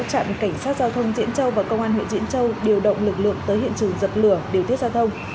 trạm cảnh sát giao thông diễn châu và công an huyện diễn châu điều động lực lượng tới hiện trường dập lửa điều tiết giao thông